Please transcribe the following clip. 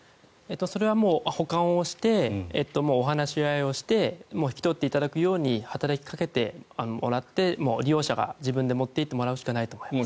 それはもう保管をしてお話し合いをして引き取っていただくように働きかけてもらって利用者が自分で持って行ってもらうしかないと思います。